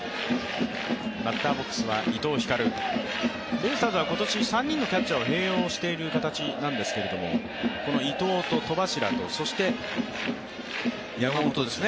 ベイスターズは今年、３人のキャッチャーを併用している形なんですけどこの伊藤と戸柱と、そして山本。